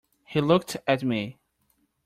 He looked at me.